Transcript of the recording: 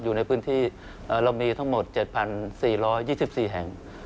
อยู่ในพื้นที่เรามีทั้งหมด๗๔๒๔แห่ง